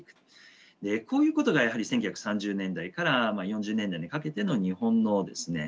こういうことがやはり１９３０年代から４０年代にかけての日本のですね